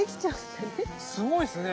すごいっすね。